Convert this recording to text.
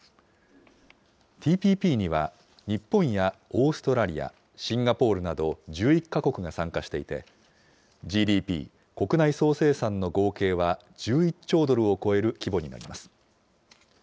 ＴＰＰには日本やオーストラリア、シンガポールなど１１か国が参加していて、ＧＤＰ・国内総生産の合計は１１兆ドルを超える規模になります。